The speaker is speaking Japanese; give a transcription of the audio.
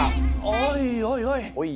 おいおいおい。